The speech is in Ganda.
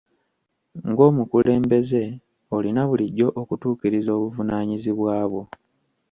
Ng'omukulembeze, olina bulijjo okutuukiriza obuvunaanyizibwa bwo.